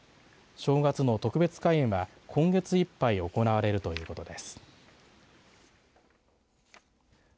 正月の特別開園は今月いっぱい行われるということです。